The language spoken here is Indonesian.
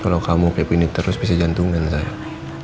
kalau kamu kayak begini terus bisa jantungin sayang